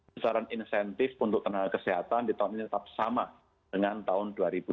besaran insentif untuk tenaga kesehatan di tahun ini tetap sama dengan tahun dua ribu dua puluh